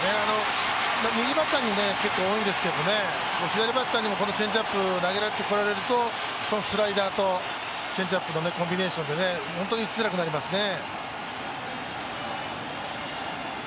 右バッターに結構多いんですけど左バッターにもこのチェンジアップを投げられてくるとスライダーとチェンジアップのコンビネーションで本当に打ちづらくなりますね。